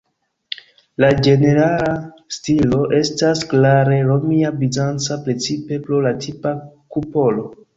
La ĝenerala stilo estas klare romia-bizanca, precipe pro la tipa kupolo.